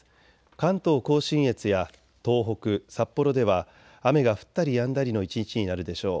関東甲信越や東北、札幌では雨が降ったりやんだりの一日になるでしょう。